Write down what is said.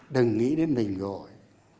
đừng nghĩ đến mình rồi